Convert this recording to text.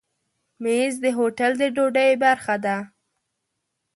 مېز د هوټل د ډوډۍ برخه ده.